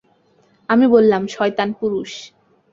আমি বললাম, শয়তান পুরুষ।